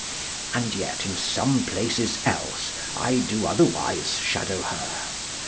And yet, in some places els, I doe otherwise shadow her.